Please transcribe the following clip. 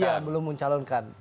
yang belum mencalonkan